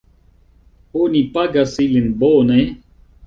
Oni pagas ilin bone?